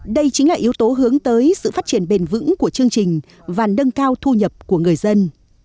đây chính là yếu tố hướng tới sự phát triển bền vững của chương trình và nâng cao thu nhập của người dân